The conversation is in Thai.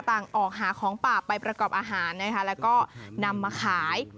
ต่างออกหาของป่าไปประกอบอาหารนะคะแล้วก็นำมาขาย